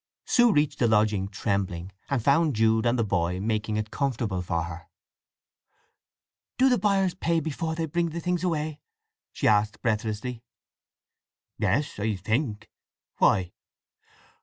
Sue reached the lodging trembling, and found Jude and the boy making it comfortable for her. "Do the buyers pay before they bring away the things?" she asked breathlessly. "Yes, I think. Why?"